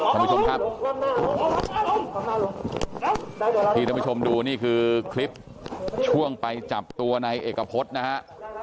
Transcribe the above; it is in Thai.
ท่านผู้ชมครับที่ท่านผู้ชมดูนี่คือคลิปช่วงไปจับตัวในเอกพฤษนะฮะ